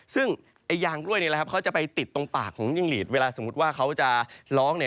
ซึ่งยางกล้วยเขาจะไปติดตรงปากของจิ้งหลีดเวลาสมมุติว่าเขาจะร้อง